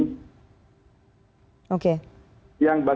karena kalau kita lihat surveinya mohaimin